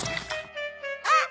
あっ！